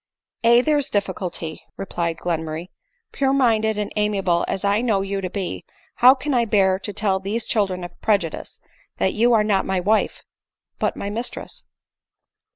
" Aye \ there 's the difficulty," replied Glenmurray ;" pure minded and amiable as I know you to be, how can I bear to tell these children of prejudice that you are not my wife, but my mistress